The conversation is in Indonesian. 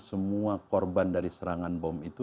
semua korban dari serangan bom itu